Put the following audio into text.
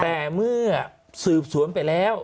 แต่เมื่อสืบสวนไปแล้ว